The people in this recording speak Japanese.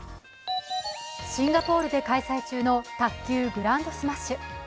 シンガポールで開催中の卓球グランドスマッシュ。